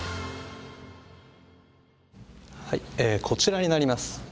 こちらになります。